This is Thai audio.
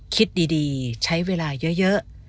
คิดดีใช้เวลาเยอะ